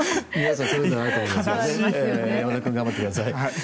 山田君頑張ってください。